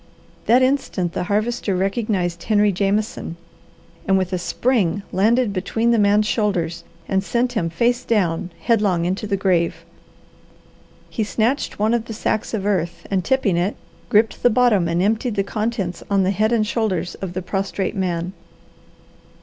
That instant the Harvester recognized Henry Jameson, and with a spring landed between the man's shoulders and sent him, face down, headlong into the grave. He snatched one of the sacks of earth, and tipping it, gripped the bottom and emptied the contents on the head and shoulders of the prostrate man.